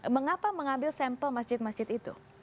mengapa mengambil sampel masjid masjid itu